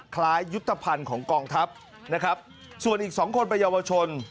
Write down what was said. ยุทธภัณฑ์ของกองทัพนะครับส่วนอีกสองคนเป็นเยาวชน